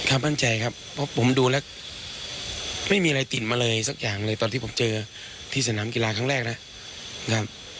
มั่นใจครับเพราะผมดูแล้วไม่มีอะไรติดมาเลยสักอย่างเลยตอนที่ผมเจอที่สนามกีฬาครั้งแรกนะครับ